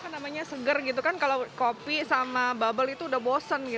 namanya seger gitu kan kalau kopi sama bubble itu udah bosen